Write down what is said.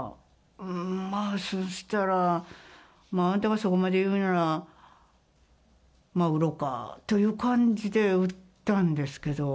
うん、まあ、そうしたら、あなたがそこまで言うなら、売ろかという感じで売ったんですけど。